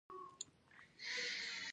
په لاندې حالاتو کې نشو ویلای.